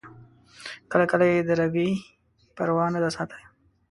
کله کله یې د روي پروا نه ده ساتلې.